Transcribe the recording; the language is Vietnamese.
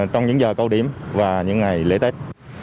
trong những giờ cao điểm và những ngày lễ tết